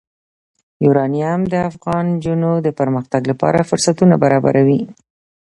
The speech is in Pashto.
یورانیم د افغان نجونو د پرمختګ لپاره فرصتونه برابروي.